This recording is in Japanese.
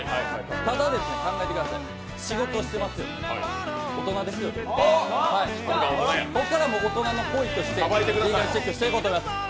ただ、考えてください仕事をしてますよ、大人ですよね、ここからは大人の行為としてリーガルチェックしていこうと思います。